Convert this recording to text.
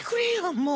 もう。